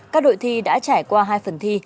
các đội thi đã trải qua hai phần thi